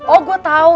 oh gue tau